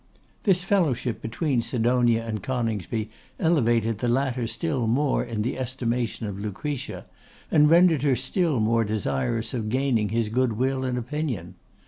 This fellowship between Sidonia and Coningsby elevated the latter still more in the estimation of Lucretia, and rendered her still more desirous of gaining his good will and opinion.